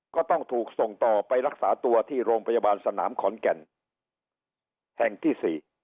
ก็ต้องถูกส่งต่อไปรักษาตัวที่โรงพยาบาลสนามขอนแก่นแห่งที่๔